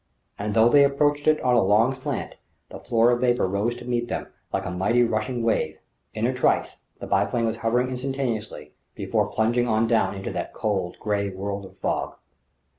And though they approached it on a long slant, the floor of vapour rose to meet them like a mighty rushing wave: in a trice the biplane was hovering instantaneously before plunging on down into that cold, grey world of fog.